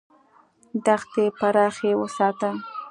دښتې پراخې وساته.